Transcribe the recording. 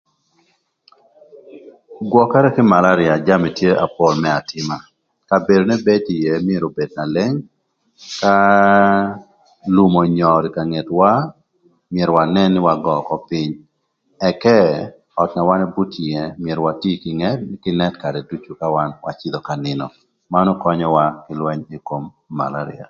Gwökërë kï malarïa jami tye na pol na më atïma. Kabedo n'ebedo ïë myero obed na leng. Ka aa lum önyör ï ka ngetwa myero w'anën nï ëgöö ökö pïny, ëka öt na wan ebuto ïë myero wati kï nët karë duc ka wan ëcïdhö ka nïnö, manön könyöwa kï lwëny ï kom malarïa.